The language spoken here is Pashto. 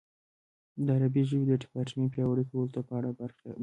د عربي ژبې د ډیپارټمنټ پیاوړي کولو په اړه خبرې.